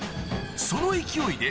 その勢いで